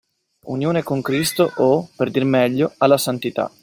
Unione con Cristo o, per dir meglio, alla santità